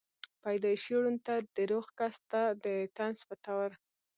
پېدائشي ړوند ته دَروغ کس ته دطنز پۀ طور